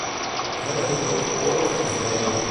We hebben het over oorlog en vrede.